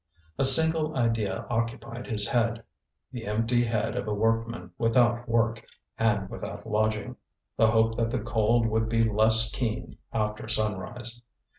A single idea occupied his head the empty head of a workman without work and without lodging the hope that the cold would be less keen after sunrise.